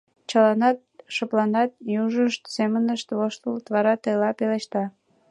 Чыланат шыпланат, южышт семынышт воштылыт, вара Тайла пелешта: